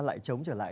lại trống trở lại